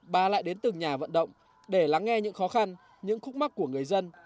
bà lại đến từng nhà vận động để lắng nghe những khó khăn những khúc mắt của người dân